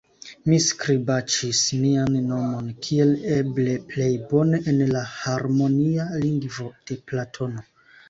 Mi skribaĉis mian nomon kiel eble plej bone en la harmonia lingvo de Platono.